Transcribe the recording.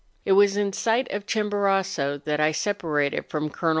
It was in sight of Chimborazo that I separated from Col.